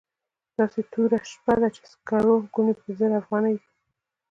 داسې توره شپه ده چې د سکرو ګونۍ په زر افغانۍ ده.